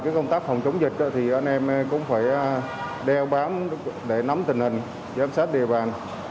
công tác phòng chống dịch thì anh em cũng phải đeo bám để nắm tình hình giám sát địa bàn